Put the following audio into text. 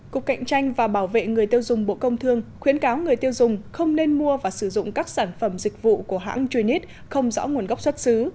cục cạnh tranh và bảo vệ người tiêu dùng bộ công thương khuyến cáo người tiêu dùng không nên mua và sử dụng các sản phẩm dịch vụ của hãng junis không rõ nguồn gốc xuất xứ